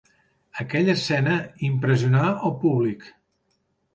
Aquella escena impressionà el públic.